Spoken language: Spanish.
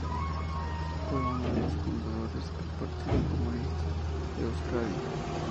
Fue uno de los fundadores del Partido Comunista de Euskadi.